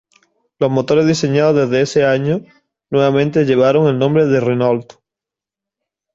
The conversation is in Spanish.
Los motores diseñados desde ese año, nuevamente llevaron el nombre de Renault.